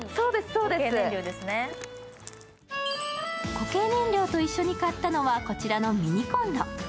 固形燃料と一緒に買ったのはこちらのミニこんろ。